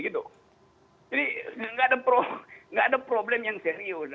jadi nggak ada problem yang serius